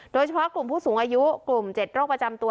โดยเฉพาะกลุ่มผู้สูงอายุกลุ่ม๗โรคประจำตัว